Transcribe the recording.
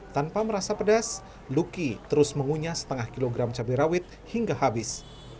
tanpa merasa pedas luki terus mengunyah setengah kilogram cabai rawit hingga habis